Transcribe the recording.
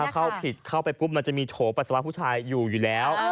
เข้าผิดเข้าไปปุ๊บมันจะมีโถปัสสาวะผู้ชายอยู่อยู่แล้ว